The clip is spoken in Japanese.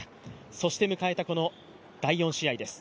そして迎えたこの第４試合です。